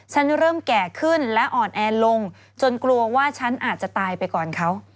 ฉันเริ่มแก่ขึ้นและอ่อนแอลงจนกลัวว่าฉันอาจจะตายไปก่อนเขา